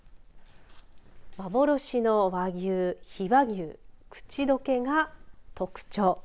幻の和牛、比婆牛口溶けが特徴。